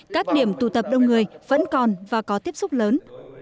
các điểm tụ tập đông người vẫn còn và có tiếp xúc lớn